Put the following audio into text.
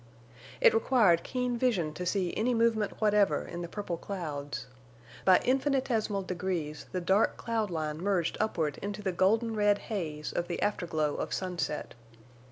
] It required keen vision to see any movement whatever in the purple clouds. By infinitesimal degrees the dark cloud line merged upward into the golden red haze of the afterglow of sunset.